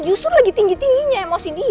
justru lagi tinggi tingginya emosi dia